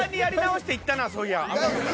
そういや。